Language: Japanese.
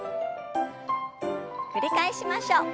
繰り返しましょう。